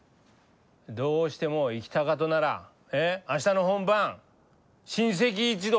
どうしても行きたかとなら明日の本番親戚一同